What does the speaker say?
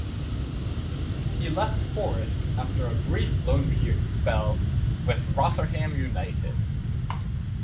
He left Forest after a brief loan spell with Rotherham United.